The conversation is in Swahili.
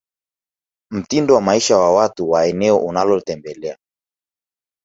mtindo wa maisha wa watu wa eneo unalotembelea